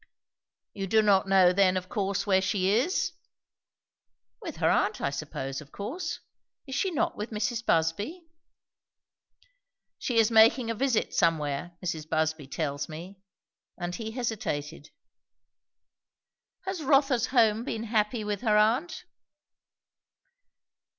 "You do not know then of course where she is?" "With her aunt, I suppose, of course. Is she not with Mrs. Busby?" "She is making a visit somewhere, Mrs. Busby tells me." And he hesitated. "Has Rotha's home been happy with her aunt?"